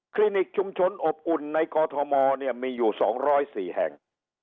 ลินิกชุมชนอบอุ่นในกอทมมีอยู่๒๐๔แห่ง